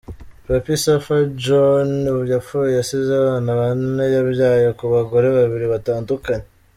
Papy Safa John yapfuye asize abana bane yabyaye ku bagore babiri batandukanye.